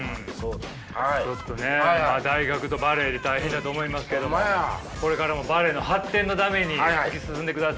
ちょっとね大学とバレエで大変だと思いますけどもこれからもバレエの発展のために突き進んでください。